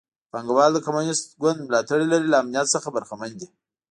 پانګوال د کمونېست ګوند ملاتړ لري له امنیت څخه برخمن دي.